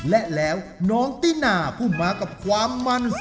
และแล้วน้องตินาผู้มากับความมัน